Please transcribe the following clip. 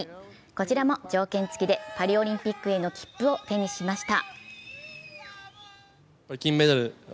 こちらも条件付きでパリオリンピックへの切符を手にしました。